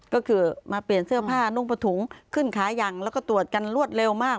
ก็คือมาเปลี่ยนเสื้อผ้านุ่งประถุงขึ้นขายังแล้วก็ตรวจกันรวดเร็วมาก